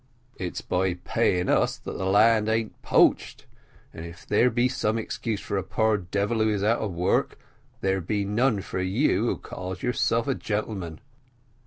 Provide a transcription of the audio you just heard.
"It's by paying us that the land an't poached and if there be some excuse for a poor devil who is out of work, there be none for you, who call yourself a gentleman."